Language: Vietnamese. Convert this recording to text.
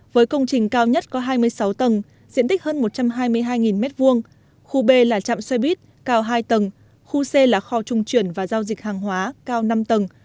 với công trình cao nhất có hai mươi sáu tầng diện tích hơn một trăm hai mươi hai m hai khu b là chạm xe buýt cao hai tầng khu c là kho trung chuyển và giao dịch hàng hóa cao năm tầng